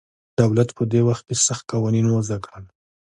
دولت په دې وخت کې سخت قوانین وضع کړل